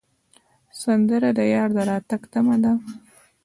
سندره د یار د راتګ تمه ده